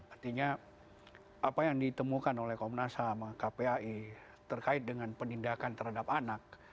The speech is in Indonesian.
artinya apa yang ditemukan oleh komnas ham kpai terkait dengan penindakan terhadap anak